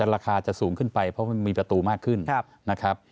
ราคาจะสูงขึ้นไปเพราะมันมีประตูมากขึ้นนะครับ